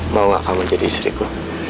mau gak kamu menjadi istriku